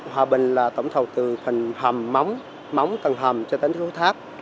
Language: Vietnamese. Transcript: hòa bình là tổng thầu từ phần hầm móng tầng hầm cho đến thủ tháp